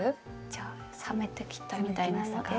じゃあ冷めてきたみたいなので。